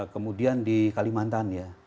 kemudian di kalimantan ya